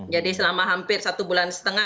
jadi selama hampir satu bulan setengah